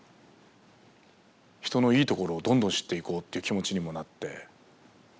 人のいいところをどんどん知っていこうっていう気持ちにもなって。